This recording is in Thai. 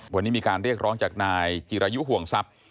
วันนี้มีการเรียกร้องจากนายจิรายุห่วงทรัพย์